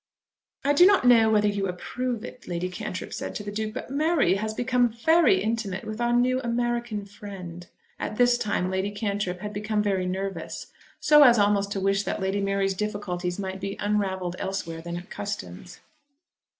"I do not know whether you approve it," Lady Cantrip said to the Duke; "but Mary has become very intimate with our new American friend." At this time Lady Cantrip had become very nervous, so as almost to wish that Lady Mary's difficulties might be unravelled elsewhere than at Custins.